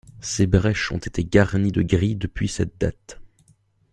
Ces brèches ont été garnies de grilles depuis cette date.